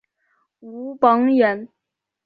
武榜眼。